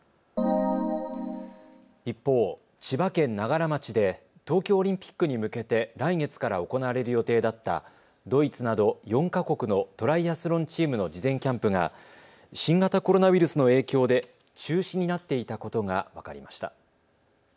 一方、千葉県長柄町で東京オリンピックに向けて来月から行われる予定だったドイツなど４か国のトライアスロンチームの事前キャンプが新型コロナウイルスの影響で中止になっていたことが分かりました。